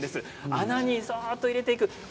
穴にそっと入れていく。